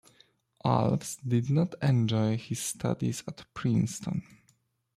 Alves did not enjoy his studies at Princeton.